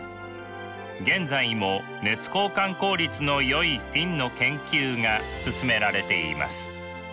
現在も熱交換効率のよいフィンの研究が進められています。